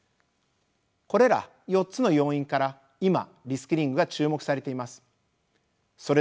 これら４つの要因から今リスキリングが注目されています。